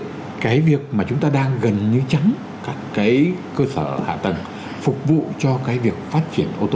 vậy thì cái việc mà chúng ta đang gần như chắn các cái cơ sở hạ tầng phục vụ cho các cơ sở hạ tầng